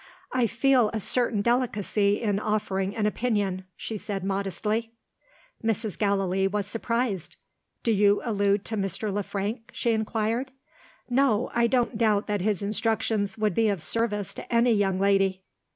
"I feel a certain delicacy in offering an opinion," she said modestly. Mrs. Gallilee was surprised. "Do you allude to Mr. Le Frank?" she inquired. "No. I don't doubt that his instructions would be of service to any young lady."